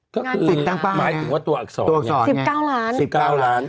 ก็คือหมายถึงว่าตัวอักษรเนี่ย๑๙ล้าน๑๙ล้าน